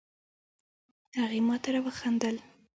هغې ماته را وخندل